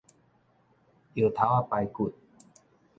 藥頭仔排骨